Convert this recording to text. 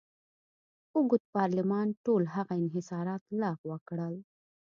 اوږد پارلمان ټول هغه انحصارات لغوه کړل.